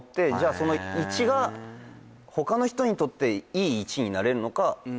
その１がほかの人にとっていい１になれるのか